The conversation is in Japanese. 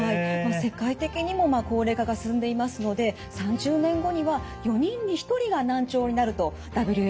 世界的にも高齢化が進んでいますので３０年後には４人に１人が難聴になるとＷＨＯは予測しています。